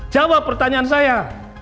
jawab pertanyaan saya